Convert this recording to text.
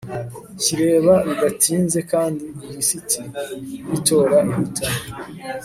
kireba bidatinze kandi ilisiti y itora ihita